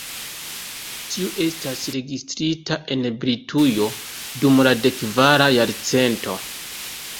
Tiu estas registrita en Britujo dum la dek kvara jarcento.